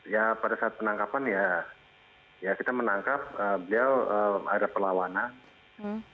ya pada saat penangkapan ya kita menangkap beliau ada perlawanan